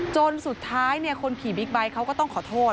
จนสุดท้ายคนขี่บิ๊กไบท์เขาก็ต้องขอโทษ